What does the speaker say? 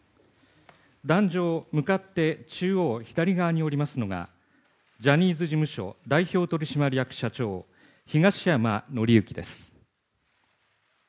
壇上、向かって中央左側におりますのがジャニーズ事務所代表取締役社長東山紀之です。